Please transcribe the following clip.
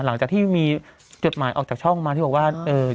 หลังจากที่มีจดหมายออกจากช่องมาที่บอกว่า